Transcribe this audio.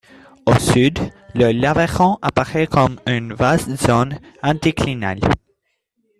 Au sud, le Laveron apparaît comme un vaste zone anticlinale.